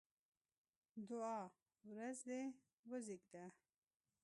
دوعا: وزر دې وزېږده!